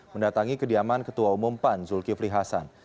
mendatangi kediaman ketua umum pan zulkifli hasan